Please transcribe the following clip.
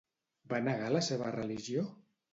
Va negar la seva religió?